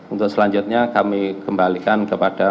untuk selanjutnya kami kembalikan kepada